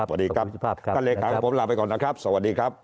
สวัสดีครับท่านเลยกาธิการภักดิ์ผมลาไปก่อนนะครับสวัสดีครับ